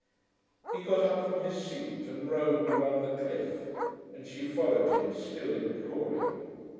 He got up from his seat and roamed along the cliff, and she followed him, still imploring.